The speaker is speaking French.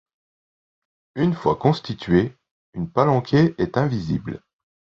Une fois constituée, une palanquée est indivisible.